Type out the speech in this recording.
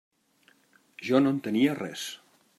Jo no entenia res.